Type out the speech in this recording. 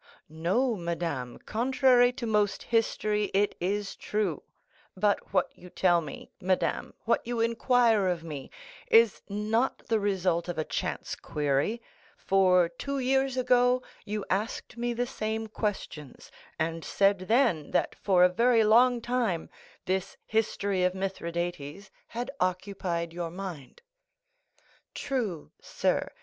"No, madame, contrary to most history, it is true; but what you tell me, madame, what you inquire of me, is not the result of a chance query, for two years ago you asked me the same questions, and said then, that for a very long time this history of Mithridates had occupied your mind." "True, sir.